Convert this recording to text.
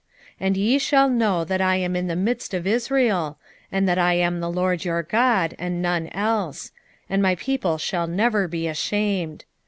2:27 And ye shall know that I am in the midst of Israel, and that I am the LORD your God, and none else: and my people shall never be ashamed.